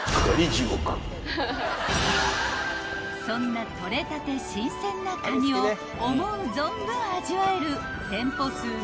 ［そんな取れたて新鮮なカニを思う存分味わえる店舗数